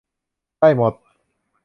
ได้หมด